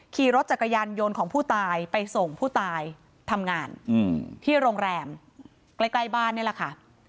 ขี่รถจักรยานยนต์ของผู้ตายไปส่งผู้ตายทำงานที่โรงแรมใกล้บ้านนี่แหละค่ะ